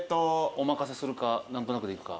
お任せするか何となくでいくか。